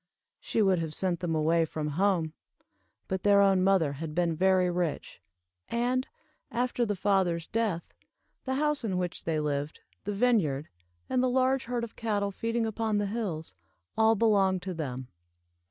She would have sent them away from home, but their own mother had been very rich, and, after the father's death, the house in which they lived, the vineyard, and the large herd of cattle feeding upon the hills, all belonged to them.